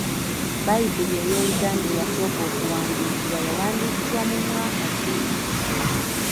Bbayibuli ey’Oluganda eyasooka okuwandiikibwa yawandiikibwa mu mwaka ki ?